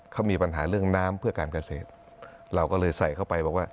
เขามีปัญหาเรื่องน้ำเพื่อการเกษตรเราก็เลยใส่เข้าไปบอกว่า